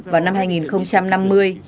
vào năm hai nghìn năm mươi